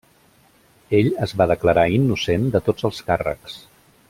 Ell es va declarar innocent de tots els càrrecs.